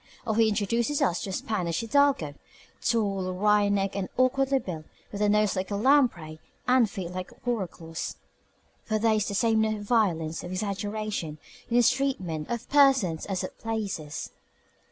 Or he introduces us to a Spanish hidalgo, "tall, wry necked, and awkwardly built, with a nose like a lamprey and feet like coracles." (For there is the same note of violence, of exaggeration, in his treatment of persons as of places.)